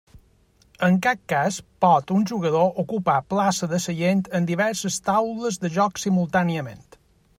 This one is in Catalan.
En cap cas pot un jugador ocupar plaça de seient en diverses taules de joc simultàniament.